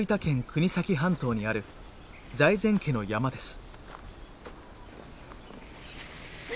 国東半島にある財前家の山です。